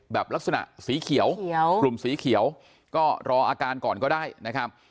แบบลักษณะสีเขียวกลุ่มสีเขียวก็รออาการก่อนก็ได้นะครับ